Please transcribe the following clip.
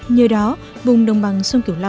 nhờ đó vùng đồng bằng sông kiều long